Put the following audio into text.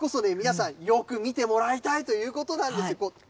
だからこそね、皆さん、よく見てもらいたいということなんですよ。